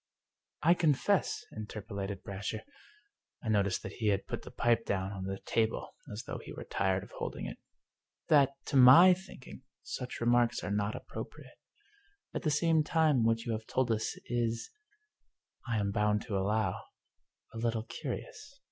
" I confess," interpolated Brasher — I noticed that he had put the pipe down on the table as though he were tired of holding it —" that, to my thinking, such remarks are not appropriate. At the same time what you have told us is, I am bound to allow, a little curious.